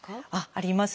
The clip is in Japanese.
あります。